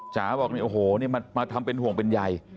จ๋าบอกเนี่ยโอ้โหนี่มาทำเป็นห่วงเป็นใย